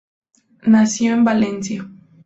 Nació en Valencia.